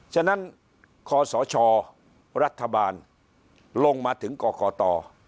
ฉะนั้นขอสอชอรัฐบาลลงมาถึงกต